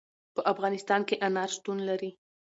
په افغانستان کې انار شتون لري.